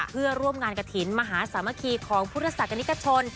เพื่อร่วมงานกระถิ่นมหาสามัคคีของพุทธศาสนิกชน